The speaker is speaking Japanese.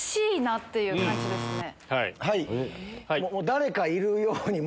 誰かいるように。